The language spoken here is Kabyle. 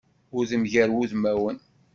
Udem gar wudmawen.